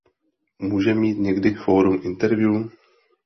Může mít někdy formu interview.